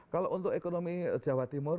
kalau untuk ekonomi jawa timur